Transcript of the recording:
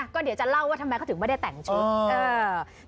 ก็เดี๋ยวจะเล่าว่าทำไมเขาถึงไม่ได้แต่งชุด